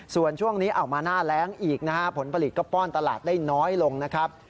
ส่วนช่วงนี้เอามาหน้าแรงอีกนะฮะผลผลิตก็ป้อนตลาดได้น้อยลงนะครับ